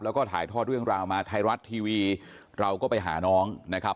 แล้วก็ถ่ายทอดเรื่องราวมาไทยรัฐทีวีเราก็ไปหาน้องนะครับ